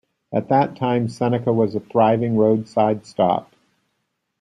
At that time Seneca was a thriving roadside stop.